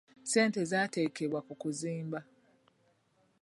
Ssente zaateekebwa ku kuzimba.